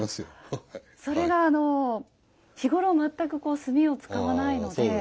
それが日頃全く炭を使わないので。